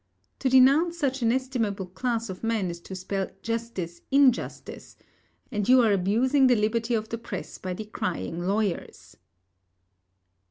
To denounce such an estimable class of men is to spell justice injustice, and you are abusing the liberty of the press by decrying lawyers.